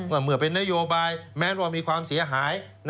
เมื่อเป็นนโยบายแม้ว่ามีความเสียหาย